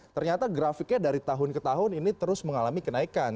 ternyata grafiknya dari tahun ke tahun ini terus mengalami kenaikan